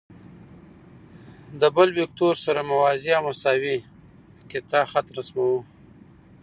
د بل وکتور سره موازي او مساوي قطعه خط رسموو.